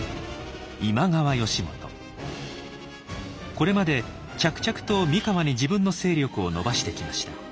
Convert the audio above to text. これまで着々と三河に自分の勢力を伸ばしてきました。